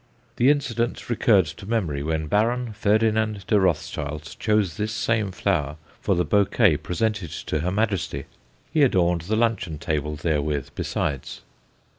The incident recurred to memory when Baron Ferdinand de Rothschild chose this same flower for the bouquet presented to Her Majesty; he adorned the luncheon table therewith besides.